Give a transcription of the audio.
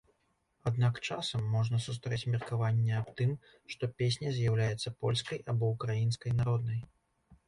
Аднак часам можна сустрэць меркаванне аб тым, што песня з'яўляецца польскай або ўкраінскай народнай.